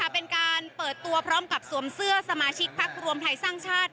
เป็นการเปิดตัวพร้อมกับสวมเสื้อสมาชิกพักรวมไทยสร้างชาติ